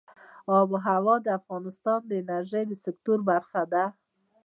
آب وهوا د افغانستان د انرژۍ د سکتور برخه ده.